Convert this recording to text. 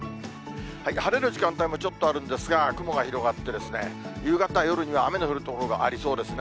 晴れる時間帯もちょっとあるんですが、雲が広がって、夕方、夜には雨の降る所がありそうですね。